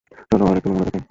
চলো আরেকটা নমুনা দেখাই।